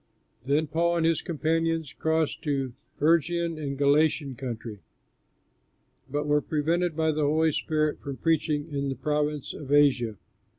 Then Paul and his companions crossed the Phrygian and Galatian country, but were prevented by the Holy Spirit from preaching in the province of Asia.